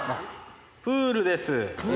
プールです。